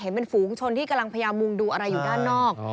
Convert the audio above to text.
เห็นเป็นฝูงชนที่กำลังพยายามมุงดูอะไรอยู่ด้านนอก